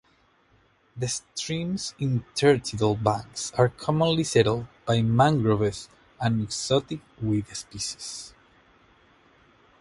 The stream's intertidal banks are commonly settled by mangroves and exotic weed species.